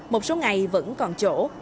một số ngày vẫn còn chỗ